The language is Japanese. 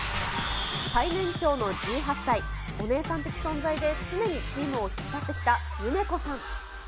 最年長の１８歳、お姉さん的存在で常にチームを引っ張ってきたユメコさん。